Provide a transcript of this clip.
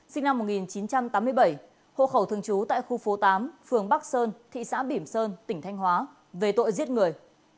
sinh năm một nghìn chín trăm tám mươi bảy hộ khẩu thường trú tại khu phố tám phường bắc sơn thị xã bỉm sơn tỉnh thanh hóa về tội giết người